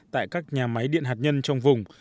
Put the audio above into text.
tại các nhà máy điện hạt nhân trong vùng